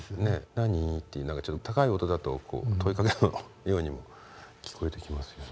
「何？」ってちょっと高い音だと問いかけてるようにも聞こえてきますね。